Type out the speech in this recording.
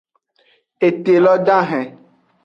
Ete lo dahen.